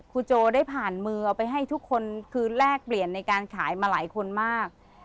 โจได้ผ่านมือเอาไปให้ทุกคนคือแลกเปลี่ยนในการขายมาหลายคนมาก